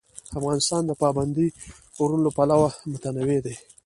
افغانستان د پابندی غرونه له پلوه متنوع دی.